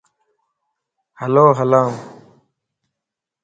ھلو ھلان